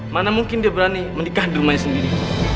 mana mungkin dia berani menikah di rumahnya sendiri